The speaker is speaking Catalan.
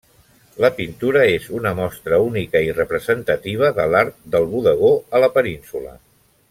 La pintura és una mostra única i representativa de l'art del bodegó a la península.